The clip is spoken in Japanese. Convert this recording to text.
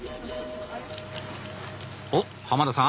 おっ濱田さん